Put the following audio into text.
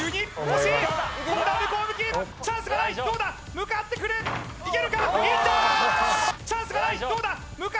向かってくるいけるか？